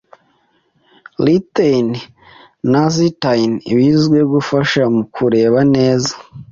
Lutein na zeaxanthin bizwiho gufasha mu kureba neza